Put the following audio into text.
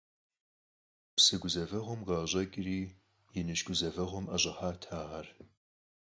Псы гузэвэгъуэм къыӀэщӀэкӀри иныжь гузэвэгъуэм ӀэщӀыхьат ахэр.